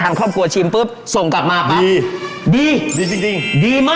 ลองเอาไปกินกับแหน่มหนึ่งดู